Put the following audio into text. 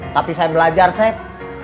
tapi saya belajar seth